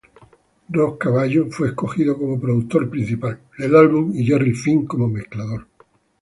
Rob Cavallo fue escogido como productor principal del álbum y Jerry Finn como mezclador.